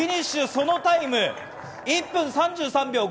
そのタイム１分３３秒５２。